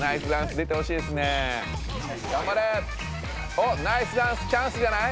おっナイスダンスチャンスじゃない？